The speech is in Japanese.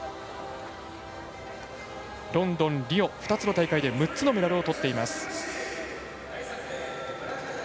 ロンドン、リオ２つの大会で６つのメダルをとっています。